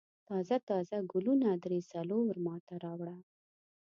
تازه تازه ګلونه درې څلور ما ته راوړه.